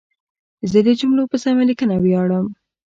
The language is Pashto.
زه د جملو په سمه لیکنه ویاړم.